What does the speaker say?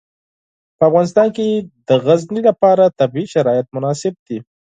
په افغانستان کې د غزني لپاره طبیعي شرایط مناسب دي.